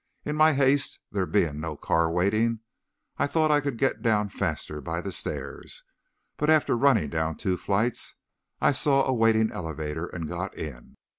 In my haste, there being no car waiting, I thought I could get down faster by the stairs. But after running down two flights, I saw a waiting elevator and got in.